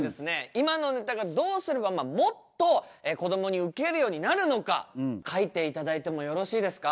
今のネタがどうすればもっとこどもにウケるようになるのか書いて頂いてもよろしいですか？